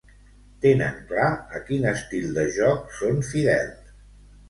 Tenen clar a quin estil de joc són fidels.